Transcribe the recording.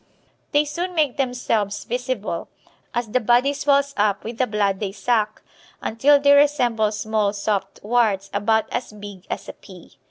They soon make themselves visible, as the body swells up with the blood they suck until they resemble small soft warts about as big as a pea.